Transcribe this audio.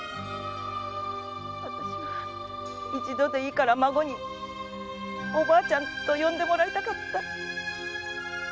わたしは一度でいいから孫に「おばあちゃん」と呼んでもらいたかった！